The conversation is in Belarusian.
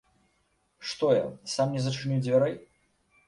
Што я, сам не зачыню дзвярэй?